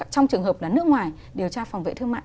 trong trường hợp là nước ngoài điều tra phòng vệ thương mại